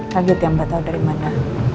raget ya mbak tau dari mana